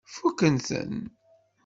Fukken-ten?